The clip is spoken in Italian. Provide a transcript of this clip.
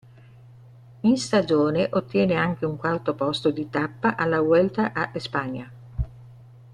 In stagione ottiene anche un quarto posto di tappa alla Vuelta a España.